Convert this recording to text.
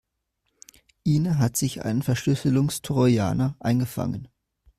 Ina hat sich einen Verschlüsselungstrojaner eingefangen.